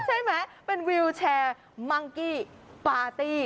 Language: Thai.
ใช่ไหมเป็นวิวแชร์มังกิบวรดี